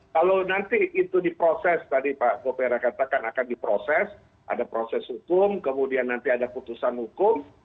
kalau nanti itu diproses tadi pak guw pera katakan akan diproses ada proses hukum kemudian nanti ada perusahaan